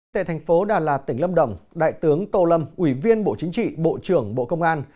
tại thành phố đà lạt tỉnh lâm đồng đại tướng tô lâm ủy viên bộ chính trị bộ trưởng bộ công an